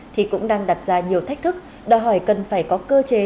thì cũng đang đặt ra nhiều thách thức đòi hỏi cần phải có cơ chế